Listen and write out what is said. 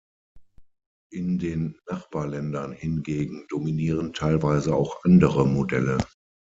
In den Nachbarländern hingegen dominieren teilweise auch andere Modelle.